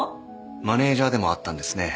マネージャーでもあったんですね